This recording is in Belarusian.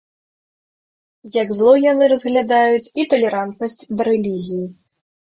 Як зло яны разглядаюць і талерантнасць да рэлігіі.